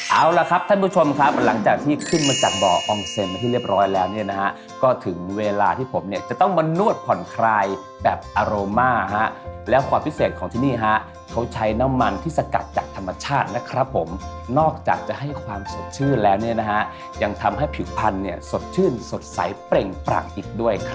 เอาล่ะครับท่านผู้ชมครับหลังจากที่ขึ้นมาจากบ่อองเซ็นมาที่เรียบร้อยแล้วเนี่ยนะฮะก็ถึงเวลาที่ผมเนี่ยจะต้องมานวดผ่อนคลายแบบอารม่าฮะแล้วความพิเศษของที่นี่ฮะเขาใช้น้ำมันที่สกัดจากธรรมชาตินะครับผมนอกจากจะให้ความสดชื่นแล้วเนี่ยนะฮะยังทำให้ผิวพันธุ์เนี่ยสดชื่นสดใสเปล่งปรักอีกด้วยครับ